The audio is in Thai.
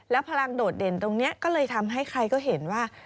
พลังโดดเด่นตรงนี้ก็เลยทำให้ใครก็เห็นว่า